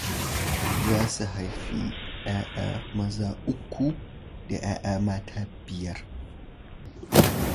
They were to have three sons and five daughters.